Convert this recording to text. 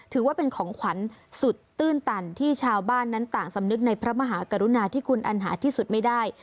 ถือว่าเป็นของขวัญสุดตื้นตันที่ชาวบ้านนั้นต่างสำนึกในพระมหากรุณาที่คุณอันหาที่สุดไม่ได้